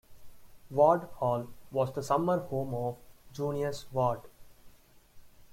Ward Hall was the summer home of Junius Ward.